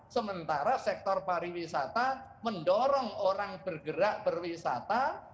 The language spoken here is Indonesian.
sementara sektor pariwisata mendorong orang bergerak berwisata